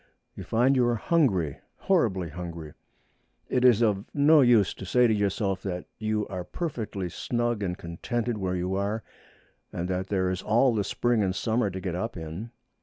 You find you are hungry, horribly hungry. It is of no use to say to yourself that you are perfectly snug and contented where you are, and that there is all the spring and summer to get up in.